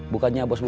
bukannya bos lubun